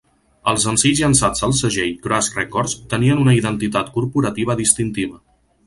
Els senzills llançats al segell Crass Records tenien una "identitat corporativa" distintiva.